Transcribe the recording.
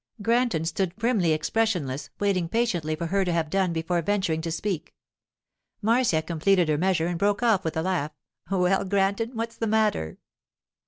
Granton stood primly expressionless, waiting patiently for her to have done before venturing to speak. Marcia completed her measure and broke off with a laugh. 'Well, Granton, what's the matter?